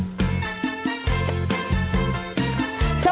ขี่ละครู